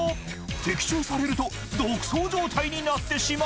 ［的中されると独走状態になってしまうが］